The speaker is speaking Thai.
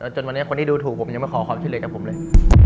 จนวันนี้คนที่ดูถูกผมยังไม่ขอขอบที่เลยกับผมเลย